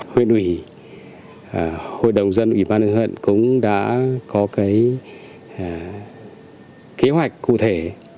huyện ủy hội đồng dân ủy ban hướng hận cũng đã có kế hoạch cụ thể